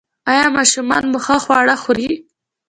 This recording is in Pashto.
ایا ماشومان مو ښه خواړه خوري؟